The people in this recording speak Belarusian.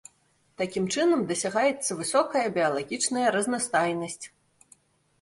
Такім чынам дасягаецца высокая біялагічная разнастайнасць.